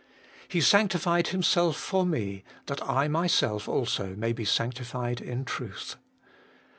He sanctified Himself for me, that I myself also may be sanctified in truth.